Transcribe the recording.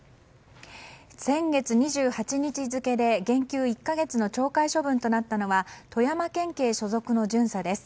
先月２８日付で減給１か月の懲戒処分となったのは富山県警所属の巡査です。